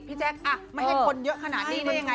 แจ๊คไม่ให้คนเยอะขนาดนี้ได้ยังไง